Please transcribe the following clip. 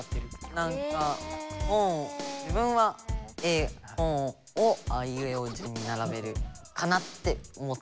なんか自分は「Ａ本を『あいうえお』順に並べる」かなって思った。